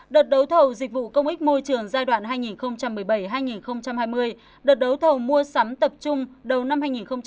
đợt đấu thầu dịch vụ công ích môi trường giai đoạn hai nghìn một mươi bảy hai nghìn hai mươi đợt đấu thầu mua sắm tập trung đầu năm hai nghìn một mươi tám